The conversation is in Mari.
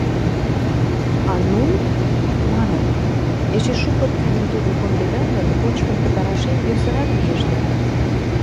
А Нунн манын: эше шуко тидым-тудым кондеда гын, кочкын пытарашем йӧсырак лиеш дыр.